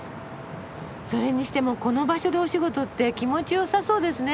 それにしてもこの場所でお仕事って気持ちよさそうですね。